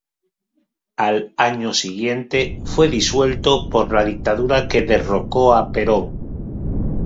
Al año siguiente fue disuelto por la dictadura que derrocó a Perón.